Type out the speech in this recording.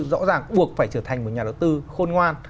rõ ràng buộc phải trở thành một nhà đầu tư khôn ngoan